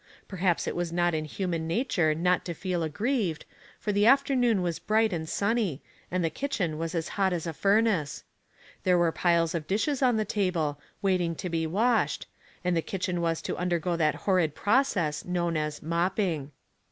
Perhaps it was not in human nature not to feel aggrieved, for the afternoon was bright and sunny, and the kitchen was as hot as a furnace. There were piles of dishes on the table, wait ing to be washed, and the kitchen was to under go that horrid process known as mopping.